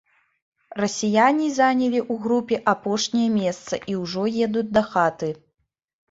Расіяне занялі ў групе апошняе месца і ўжо едуць дахаты.